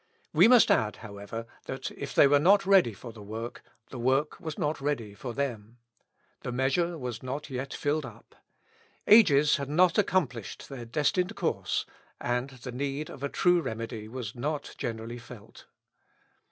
We must add, however, that if they were not ready for the work, the work was not ready for them. The measure was not yet filled up. Ages had not accomplished their destined course, and the need of a true remedy was not generally felt.